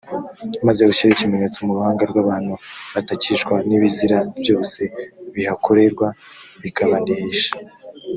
maze ushyire ikimenyetso mu ruhanga rw’ abantu batakishwa n ibizira byose bihakorerwa bikabanihisha